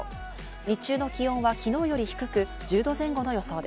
日中の気温はきのうより低く１０度前後の予想で